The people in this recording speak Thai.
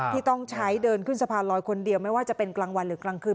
ที่ต้องใช้เดินขึ้นสะพานลอยคนเดียวไม่ว่าจะเป็นกลางวันหรือกลางคืน